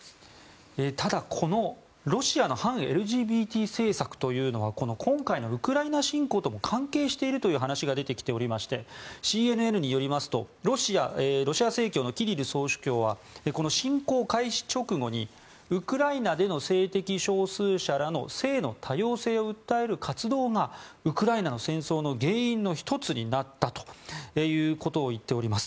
ただ、このロシアの反ＬＧＢＴ政策というのは今回のウクライナ侵攻とも関係しているという話が出てきておりましてＣＮＮによりますとロシア正教のキリル総主教はこの侵攻開始直後にウクライナでの性的少数者らの性の多様性を訴える活動がウクライナの戦争の原因の１つになったということを言っております。